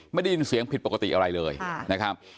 ไม่ได้ยินเสียงผิดปกติอะไรเลยนะครับ